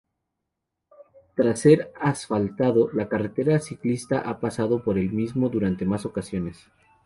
Tras ser asfaltado, la carrera ciclista ha pasado por el mismo durante más ocasiones.